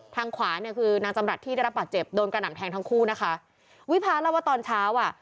ทางขวาเนี่ยคือนางจำรัฐที่ได้รับบาดเจ็บโดนกระหน่ำแทงทั้งคู่นะคะวิพาเล่าว่าตอนเช้าอ่ะ